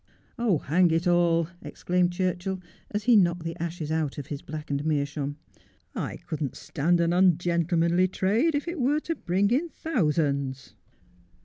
' Oh, hang it all,' exclaimed Churchill, as he knocked the ashes out of his blackened meerschaum, ' I couldn't stand an un gentlemanly trade if it were to bring in thousands.'